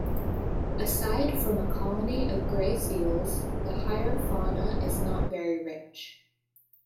Aside from a colony of grey seals, the higher fauna is not very rich.